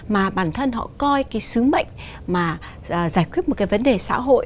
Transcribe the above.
mà bản thân họ coi cái sứ mệnh mà giải quyết một cái vấn đề xã hội